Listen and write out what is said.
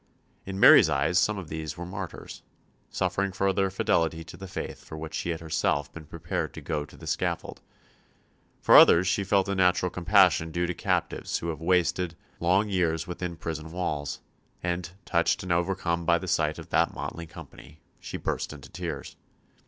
In Mary's eyes some of these were martyrs, suffering for their fidelity to the faith for which she had herself been prepared to go to the scaffold; for others she felt the natural compassion due to captives who have wasted long years within prison walls; and, touched and overcome by the sight of that motley company, she burst into tears.